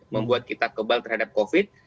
membuat kita kebal terhadap covid